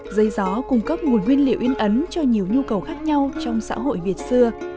dây gió cung cấp nguồn nguyên liệu in ấn cho nhiều nhu cầu khác nhau trong xã hội việt xưa